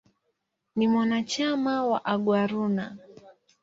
Ni mwanachama wa "Aguaruna".